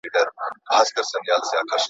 زه به سبا د ښوونځي کتابونه مطالعه کوم!.